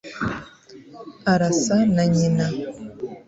arasa na nyina